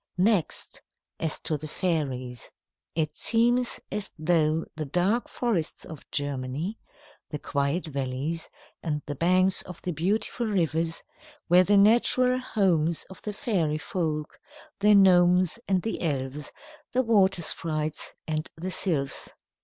Next, as to the fairies. It seems as though the dark forests of Germany, the quiet valleys, and the banks of the beautiful rivers, were the natural homes of the fairy folk, the gnomes and the elves, the water sprites and the sylphs.